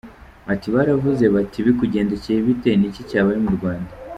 Ati “Baravuze bati bikugendekeye bite, ni iki cyabaye mu Rwanda ?